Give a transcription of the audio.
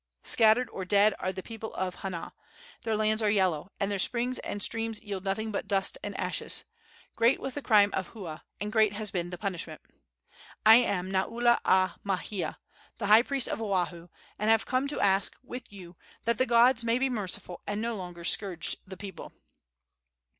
Scattered or dead are the people of Hana; their lands are yellow, and their springs and streams yield nothing but dust and ashes. Great was the crime of Hua, and great has been the punishment. I am Naula a Maihea, the high priest of Oahu, and have come to ask, with you, that the gods may be merciful and no longer scourge the people."